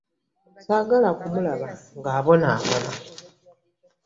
Saagala kumulaba nga abonaabona.